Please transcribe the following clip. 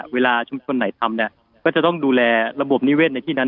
เวลาชุมชนไหนทำเนี่ยก็จะต้องดูแลระบบนิเวศในที่นั้น